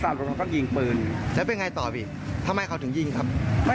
ตั้งปั้งตั้งจะพักเขาก็ขี่ก็เอาไว้ครับนี่ครับ